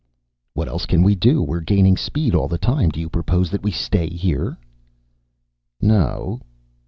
"What else can we do? We're gaining speed all the time. Do you propose that we stay here?" "No."